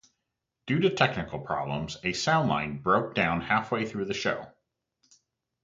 Due to technical problems, a sound line broke down halfway through the show.